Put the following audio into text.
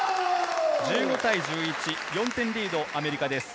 １５対１１、４点リード、アメリカです。